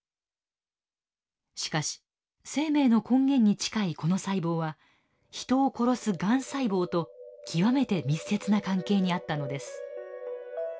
しかし生命の根源に近いこの細胞は人を殺すがん細胞と極めて密接な関係にあったのです。